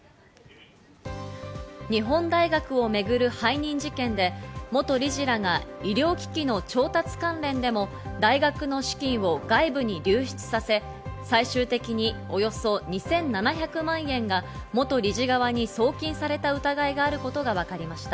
日本大学をめぐる背任事件で元理事らが医療機器の調達関連でも大学の資金を外部に流出させ、最終的におよそ２７００万円が元理事側に送金された疑いがあることがわかりました。